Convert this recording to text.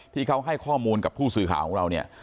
ที่เขาให้ข้อมูลกับผู้สื่อข่าวของเราเนี่ย